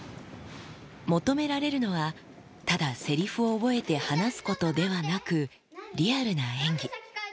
求められるのは、ただ、せりふを覚えて話すことではなく、リアルな演技。